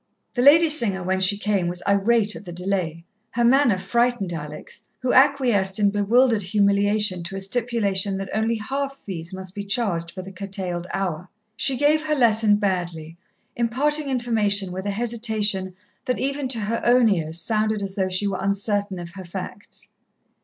The lady singer, when she came, was irate at the delay. Her manner frightened Alex, who acquiesced in bewildered humiliation to a stipulation that only half fees must be charged for the curtailed hour. She gave her lesson badly, imparting information with a hesitation that even to her own ears sounded as though she were uncertain of her facts.